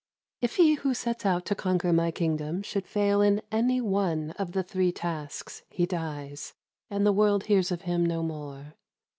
If he who sets out to conquer my kingdom should fail in any one of the three tasks he dies, and the world hears of him no more.